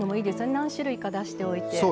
何種類か出しておいて。